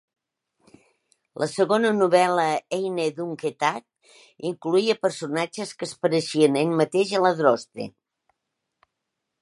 La segona novel·la "Eine dunkle Tat" incloïa personatges que es pareixien a ell mateix i a Droste.